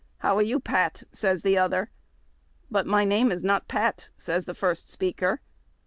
" How are you, Pat?" says the other. "But my name is not Pat," said the first speaker.